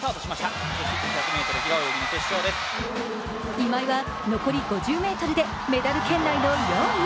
今井は残り５０ｍでメダル圏内の４位。